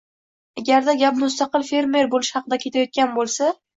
agarda gap mustaqil fermer bo‘lish haqida ketayotgan bo‘lsa.